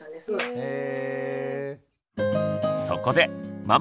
へえ！